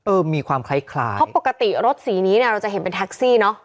มีความคล้ายคล้าเพราะปกติรถสีนี้เนี่ยเราจะเห็นเป็นแท็กซี่เนอะ